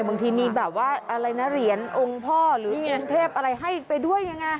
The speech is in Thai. บางทีนี้แบบว่าเหรียญองค์พ่อหรือองค์เทพฯอะไรให้ไปด้วยอย่างนี้